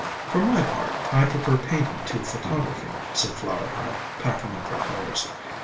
"For my part, I prefer painting to photography," said Flower Hat, packing up her colors.